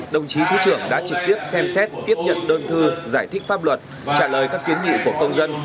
đồng chí thứ trưởng đã trực tiếp xem xét tiếp nhận đơn thư giải thích pháp luật trả lời các kiến nghị của công dân